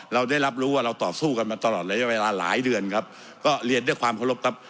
เราได้รับรู้ว่าเราต่อสู้กันมาตลอดระยะเวลาหลายเดือนครับก็เรียนด้วยความเคารพครับ